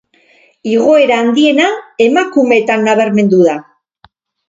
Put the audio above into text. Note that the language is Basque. Igoera handiena, emakumeetan nabarmendu da.